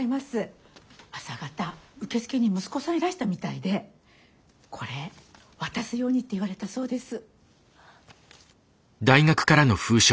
朝方受付に息子さんいらしたみたいでこれ渡すようにって言われたそうです。